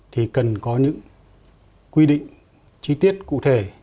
thì cần có những quy định chi tiết cụ thể